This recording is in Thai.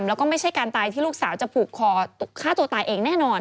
แล้วก็ไม่ใช่การตายที่ลูกสาวจะผูกคอฆ่าตัวตายเองแน่นอน